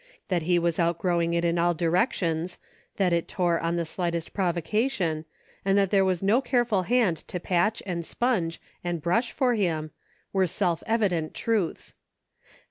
That he was out growing it in all directions, that it tore on the slightest provocation, and that there was no care ful hand to patch and sponge and brush for him, 2 EIGHT AND TWELVE. were self evident truths.